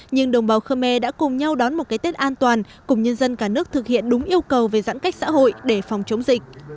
nhưng đồng bào khơ me đã cùng nhau đón một cái tết an toàn cùng nhân dân cả nước thực hiện đúng yêu cầu về giãn cách xã hội để phòng chống dịch